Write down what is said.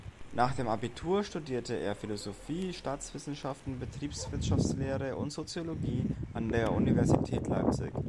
Nach dem Abitur studierte er Philosophie, Staatswissenschaften, Betriebswirtschaftslehre und Soziologie an der Universität Leipzig.